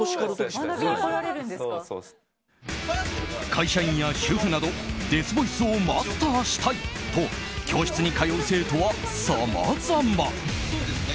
会社員や主婦などデスボイスをマスターしたいと教室に通う生徒はさまざま。